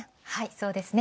そうですね。